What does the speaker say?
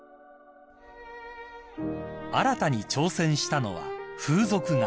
［新たに挑戦したのは］